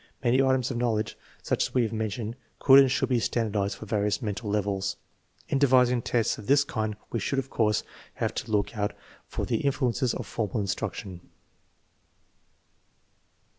Many items of knowledge such as we have mentioned could and should be standardized for various mental levels. In de vising tests of this kind we should, of course, have to look out for the influences of formal instruction.